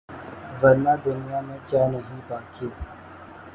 ورنہ دنیا میں کیا نہیں باقی